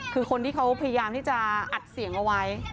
คือคนที่เขาพยายามที่จะอัดเสียงเอาไว้